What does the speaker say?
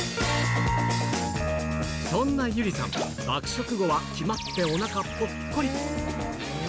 そんな友梨さん、爆食後は決まっておなかぽっこり。